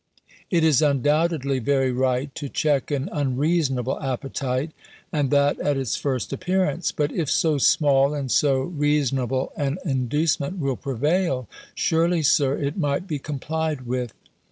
It is undoubtedly very right, to check an unreasonable appetite, and that at its first appearance. But if so small and so reasonable an inducement will prevail, surely, Sir, it might be complied with.